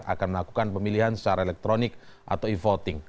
akan melakukan pemilihan secara elektronik atau e voting